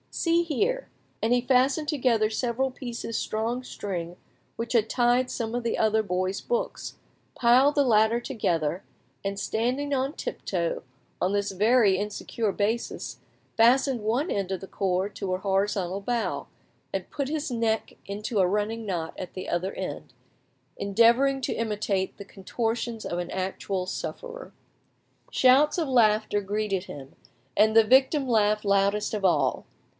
See here!" and he fastened together several pieces strong string which had tied some of the other boys' books, piled the latter together, and standing on tiptoe on this very insecure basis, fastened one end of the cord to a horizontal bough, and put his neck into a running knot at the other end, endeavouring to imitate the contortions of an actual sufferer. Shouts of laughter greeted him, and the victim laughed loudest of all.